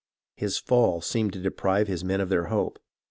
His fall seemed to deprive his men of their hope.